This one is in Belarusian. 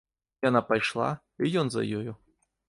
Яна пайшла, і ён за ёю.